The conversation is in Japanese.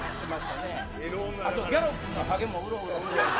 あとギャロップのハゲもうろうろして。